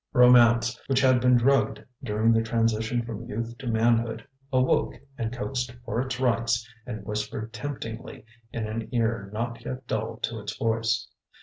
Romance, which had been drugged during the transition from youth to manhood, awoke and coaxed for its rights, and whispered temptingly in an ear not yet dulled to its voice.